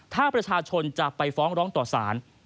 ถ้าประชาชนจะไปฟ้องร้องต่อสาร